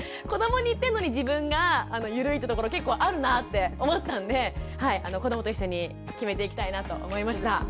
子どもに言ってるのに自分が緩いってところ結構あるなって思ったんで子どもと一緒に決めていきたいなと思いました。